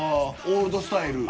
オールドスタイル。